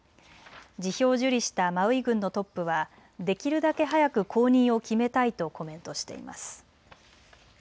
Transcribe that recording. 辞表を受理したマウイ郡のトップはできるだけ早く後任を決めたいとコメントしています。